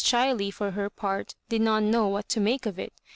Chiley, for her part, did not know what to make of it.